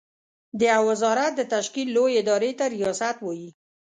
د يوه وزارت د تشکيل لويې ادارې ته ریاست وايې.